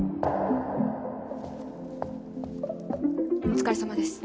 お疲れさまです。